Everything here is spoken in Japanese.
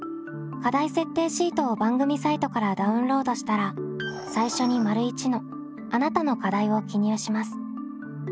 課題設定シートを番組サイトからダウンロードしたら最初に①の「あなたの課題」を記入します。